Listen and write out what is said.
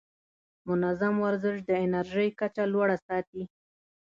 منظم ورزش د انرژۍ کچه لوړه ساتي.